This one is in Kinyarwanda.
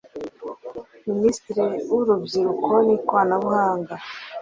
Minisitri w’Urubyiruko n’Ikorabuhanga